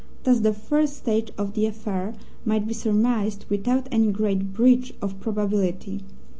Thus the first stage of the affair might be surmised without any great breach of probability.